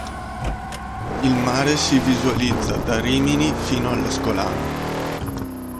Il mare si visualizza da Rimini fino all'Ascolano.